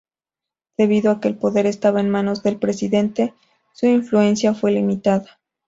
Debido a que el poder estaba en manos del presidente, su influencia fue limitada.